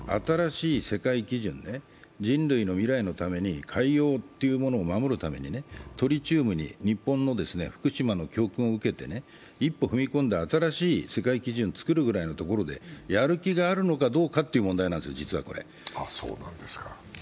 新しい世界基準人類の未来のために海洋というものを守るためにトリチウムに日本の福島の教訓を受けて一歩踏み込んだ新しい世界基準を作るぐらいのところでやる気があるのかどうかという問題なんですよ、実はこれ。